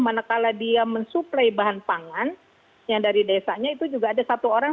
manakala dia mensuplai bahan pangan yang dari desanya itu juga ada satu orang